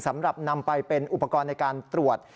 สำหรับนำไปเป็นอุปกรณ์ในการตรวจ